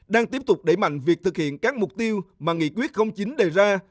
đang tiếp tục đẩy mạnh việc thực hiện các mục tiêu mà nghị quyết chín đề ra